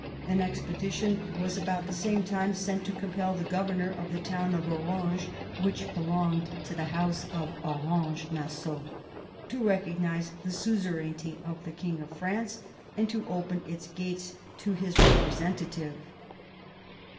An expedition was about the same time sent to compel the governor of the town of Orange, which belonged to the house of Orange Nassau, to recognise the suzerainty of the King of France and to open its gates to his representative.